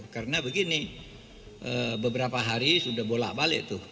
karena begini beberapa hari sudah bolak balik tuh